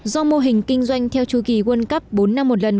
do mô hình kinh doanh theo chú kỳ quân cấp bốn năm một lần